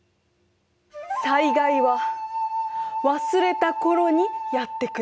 「災害は忘れた頃にやってくる」